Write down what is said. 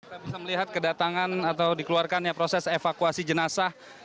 kita bisa melihat kedatangan atau dikeluarkannya proses evakuasi jenazah